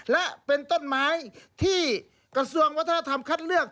และเป็นต้นไม้ที่กระทรวงวัฒนธรรมคัดเลือก